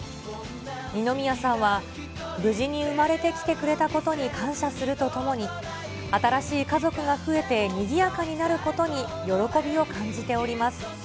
二宮さんは、無事に産まれてきてくれたことに感謝するとともに、新しい家族が増えてにぎやかになることに喜びを感じております。